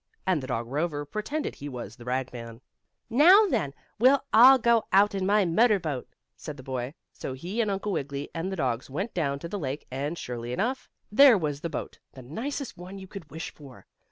And the dog Rover pretended he was the ragman. "Now, then, we'll all go out in my motor boat," said the boy, so he and Uncle Wiggily and the dogs went down to the lake and, surely enough, there was the boat, the nicest one you could wish for.